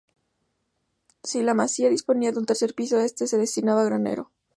Si la masía disponía de un tercer piso, este se destinaba a granero.